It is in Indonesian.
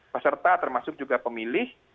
peserta termasuk juga pemilih